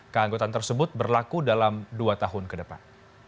keanggotaan tersebut berlaku dalam dua tahun ke depan